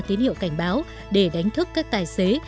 tín hiệu cảnh báo để đánh thức các tài xế